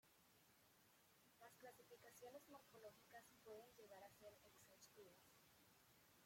Las clasificaciones morfológicas pueden llegar a ser exhaustivas.